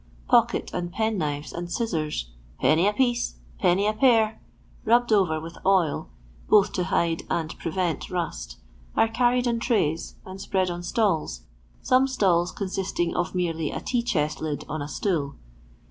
Pocket nnd pen knives and scissors, " Penny a piece, penny a pair," rubbed over with oil, both to hide nnd prevent rust, are carried on trays, and spread on stalls, some stalls consisting of merely a tea chest lid on a stool.